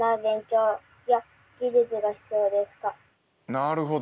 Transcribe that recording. なるほど。